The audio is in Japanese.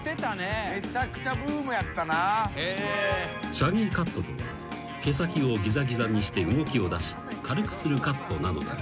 ［シャギーカットとは毛先をぎざぎざにして動きを出し軽くするカットなのだが］